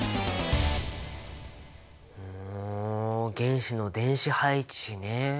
ほう原子の電子配置ね。